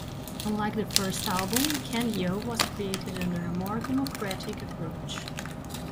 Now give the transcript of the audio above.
Unlike the first album, "Candy-O" was created under a more democratic approach.